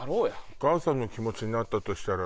お母さんの気持ちになったら。